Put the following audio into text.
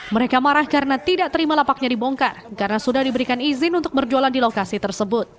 mereka marah karena tidak terima lapaknya dibongkar karena sudah diberikan izin untuk berjualan di lokasi tersebut